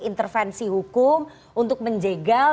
intervensi hukum untuk menjegal